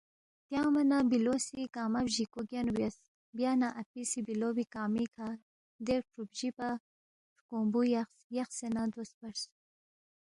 تیانگما نہ بِلو سی کنگمہ بجِیکو گینُو بیاس، بیا نہ اپی سی بِلو بی کنگمی کھہ دے کرُو بجی پا ہرکونگبُو یقس، یقسےنہ دو سپرس